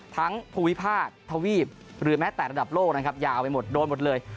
ภูมิภาคทวีปหรือแม้แต่ระดับโลกนะครับยาวไปหมดโดนหมดเลย